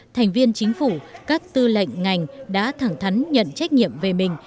thành viên chính phủ các tư lệnh ngành đã thẳng thắn nhận trách nhiệm về mình